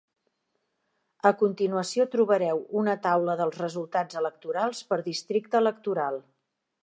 A continuació trobareu una taula dels resultats electorals, per districte electoral.